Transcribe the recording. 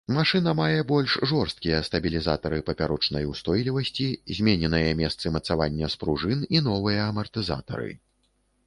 Машына мае больш жорсткія стабілізатары папярочнай устойлівасці, змененыя месцы мацавання спружын і новыя амартызатары.